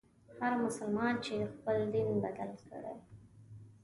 هر مسلمان چي خپل دین بدل کړي.